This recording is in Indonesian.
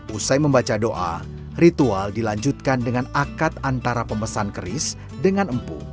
usai membaca doa ritual dilanjutkan dengan akad antara pemesan keris dengan empuk